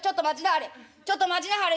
ちょっと待ちなはれ